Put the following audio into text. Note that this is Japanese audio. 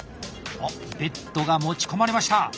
おっベッドが持ち込まれました！